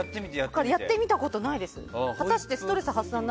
やってみたことないです。